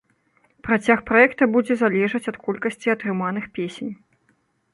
Працяг праекта будзе залежаць ад колькасці атрыманых песень.